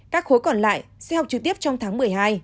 các khối còn lại sẽ học trực tiếp trong tháng một mươi hai